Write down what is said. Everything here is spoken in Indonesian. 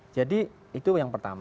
jadi itu yang pertama